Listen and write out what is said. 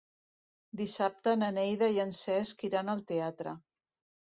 Dissabte na Neida i en Cesc iran al teatre.